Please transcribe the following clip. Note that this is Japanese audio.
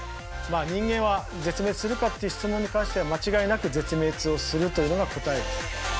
人間は絶滅するかっていう質問に関しては間違いなく絶滅をするというのが答えです。